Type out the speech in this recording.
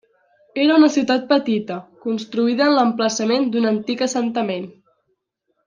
Era una ciutat petita, construïda en l'emplaçament d'un antic assentament.